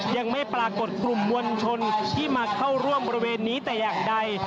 ยังไม่ปรากฏกลุ่มมวลชนที่มาเข้าร่วมบริเวณนี้แต่อย่างใด